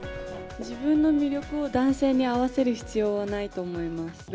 自分の魅力を男性に合わせる必要はないと思います。